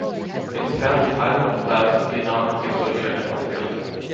It is found in Thailand, Laos, Vietnam, Cambodia and Australia.